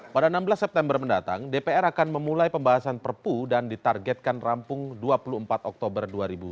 pada enam belas september mendatang dpr akan memulai pembahasan perpu dan ditargetkan rampung dua puluh empat oktober dua ribu dua puluh